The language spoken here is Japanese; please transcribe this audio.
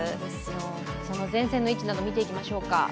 その前線の位置など見ていきましょうか。